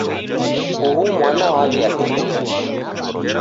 Uhu mwana waw'iadungumia.